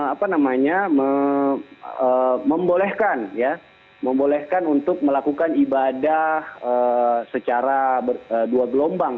apa namanya membolehkan ya membolehkan untuk melakukan ibadah secara dua gelombang